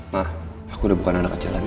ma aku udah bukan anak aja lagi